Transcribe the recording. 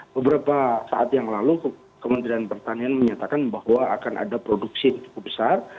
beberapa saat yang lalu kementerian pertanian menyatakan bahwa akan ada produksi yang cukup besar